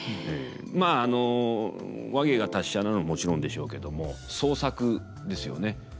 まああの話芸が達者なのもちろんでしょうけども創作ですよね。